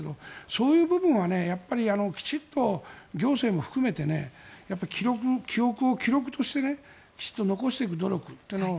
そういう部分はきちんと行政も含めて記憶を記録として残していく努力を。